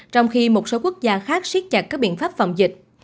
trong khi một số quốc gia khác siết chặt các biện pháp phòng dịch